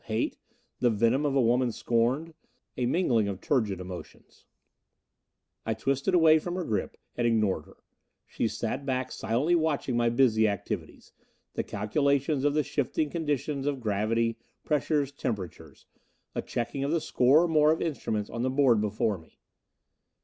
Hate? The venom of a woman scorned a mingling of turgid emotions.... I twisted away from her grip and ignored her; she sat back, silently watching my busy activities; the calculations of the shifting conditions of gravity, pressures, temperatures; a checking of the score or more of instruments on the board before me.